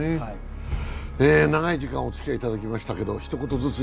長い時間、おつきあいいただきましたけど、ひと言ずつ。